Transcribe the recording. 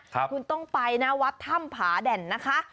คุณต้องไปนะวัดถ้ำผาแด่นนะคะ